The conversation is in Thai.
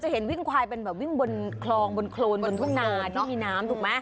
เห็นวิ่งควายเป็นแบบวิ่งบนคลองบนโครนบนทุ่งนาที่มีน้ำถูกไหม